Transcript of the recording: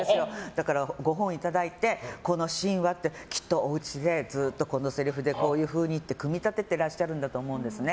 だからご本をいただいてこのシーンはってずっとおうちでずっと、このせりふでこういうふうにって組み立てていらっしゃると思うんですね。